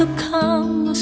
jangan lupakan lari